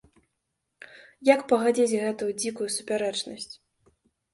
Як пагадзіць гэтую дзікую супярэчнасць?